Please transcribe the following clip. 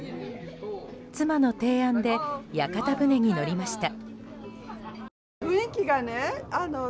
妻の提案で屋形船に乗りました。